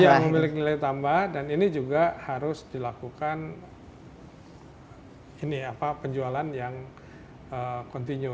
yang memiliki nilai tambah dan ini juga harus dilakukan penjualan yang kontinu